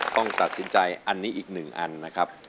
ต้องตัดสินใจอันนี้อีกหนึ่งอันนะครับ